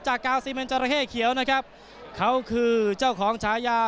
จากกาวซีเมนเจอร์แฮะเขียวนะครับเขาคือเจ้าของชายา